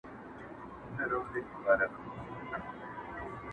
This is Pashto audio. • همېشه به د مالِک ترشا روان ؤ.